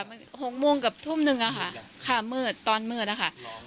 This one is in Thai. มันหกม่วงกับทุ่มนึงอ่ะค่ะค่าเมือดตอนเมือดอ่ะค่ะ